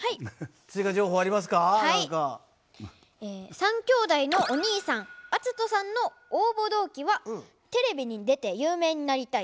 ３きょうだいのお兄さん篤人さんの応募動機は「テレビに出て有名になりたい。